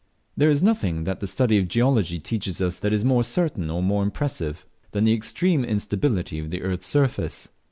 There is nothing that the study of geology teaches us that is more certain or more impressive than the extreme instability of the earth's surface.